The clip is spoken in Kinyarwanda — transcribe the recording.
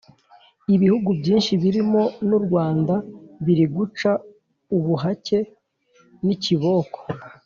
Ibihugu bynshi birimo n’u Rwanda biri guca ubuhake n’ikiboko